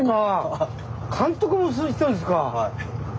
はい。